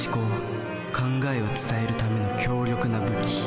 考えを伝えるための強力な武器。